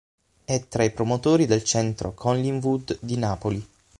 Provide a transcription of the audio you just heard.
È fra i promotori del Centro Collingwood di Napoli.